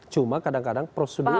cuma kadang kadang prosedural